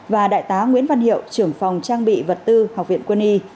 và đại tá nguyễn văn hiệu trưởng phòng trang bị vật tư học viện quân y